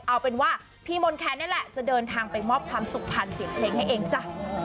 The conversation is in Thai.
เอาเป็นว่าพี่มนต์แคนนี่แหละจะเดินทางไปมอบความสุขผ่านเสียงเพลงให้เองจ้ะ